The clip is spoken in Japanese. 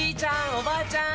おばあちゃん